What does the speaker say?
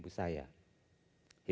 ibu saya kerjanya adalah menjual kue